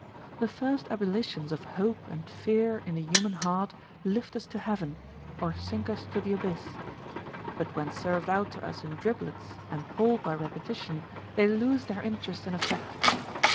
The first ebullitions of hope and fear in the human heart lift us to heaven, or sink us to the abyss ; but when served out to us in dribblets and palled by^repe tition, they lose their interest and effect.